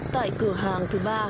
tại cửa hàng thứ ba